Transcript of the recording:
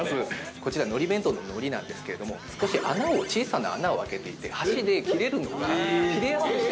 こちら、のり弁当の海苔なんですけれども、少し穴を、小さな穴を開けていて、箸で切れるのが、切れやすくして。